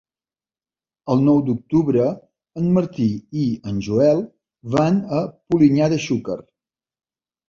El nou d'octubre en Martí i en Joel van a Polinyà de Xúquer.